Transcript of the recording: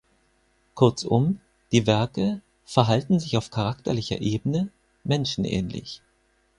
Kurzum, die Werke „verhalten sich auf charakterlicher Ebene“ menschenähnlich.